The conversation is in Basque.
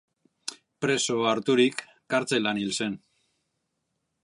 Preso harturik, kartzelan hil zen.